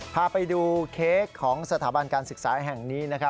พาไปดูเค้กของสถาบันการศึกษาแห่งนี้นะครับ